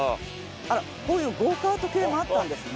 あらこういうゴーカート系もあったんですね。